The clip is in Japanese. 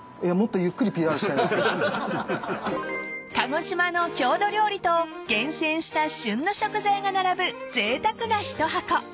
［鹿児島の郷土料理と厳選した旬の食材が並ぶぜいたくな一箱］